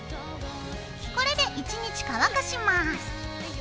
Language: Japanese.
これで１日乾かします。